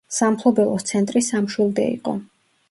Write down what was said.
სამფლობელოს ცენტრი სამშვილდე იყო.